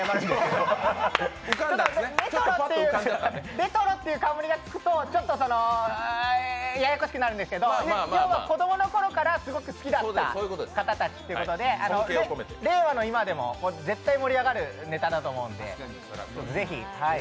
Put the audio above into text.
レトロって冠がつくとちょっとややこしくなるんですけど要は子供の頃からすごく好きだった方たちということで令和の今でも絶対盛り上がるネタだと思うので、ぜひ。